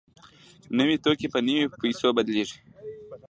نوي توکي په نویو پیسو بدلېږي